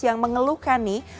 yang mengeluhkan nih